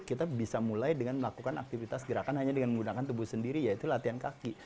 kita bisa mulai dengan melakukan aktivitas gerakan hanya dengan menggunakan tubuh sendiri yaitu latihan kaki